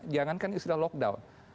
jangankan istilah lockdown